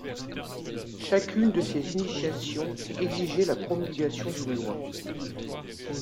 Chacune de ces initiations exigeait la promulgation d'une loi.